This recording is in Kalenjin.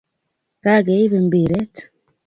Kageib mbiret